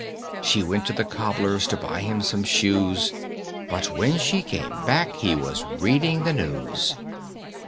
She went to the cobbler's To buy him some shoes, But when she came back He was reading the news.